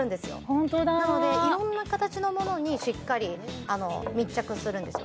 ホントだなのでいろんな形のものにしっかり密着するんですよ